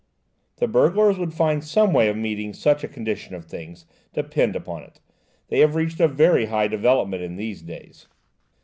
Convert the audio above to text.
"The burglars would find some way of meeting such a condition of things, depend upon it; they have reached a very high development in these days.